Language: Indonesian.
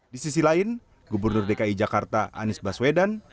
di sisi lain gubernur dki jakarta anies baswedan